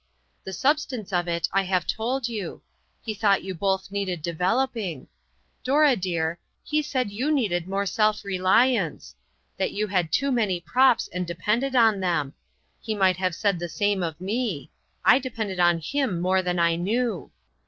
The substance of it I have told you. He thought you both needed developing. Dora dear, he said you needed more self reliance ; that you had too many props, and depended on them. He might have said the same of me ; I depended on him more than I knew.